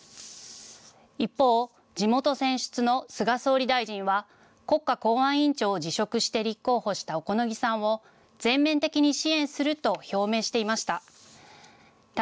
一方、地元選出の菅総理大臣は国家公安委員長を辞職して立候補した小此木さんを全面的に支援すると表明していました。